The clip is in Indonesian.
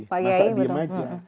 masa di maja